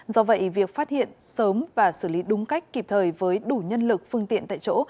do vậy việc phát hiện sớm và xử lý đúng cách kịp thời với đủ nhân lực phương tiện tại chỗ